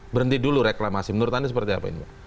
berhenti dulu reklamasi menurut anda seperti apa ini